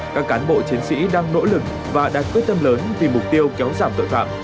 các cán bộ chiến sĩ đang nỗ lực và đạt quyết tâm lớn vì mục tiêu kéo giảm tội phạm